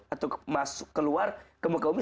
atau masuk keluar ke muka umum